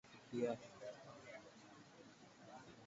unyevunyevu huwa ndio kiini cha maambukizi kwa wanyama wadhaifu kiafya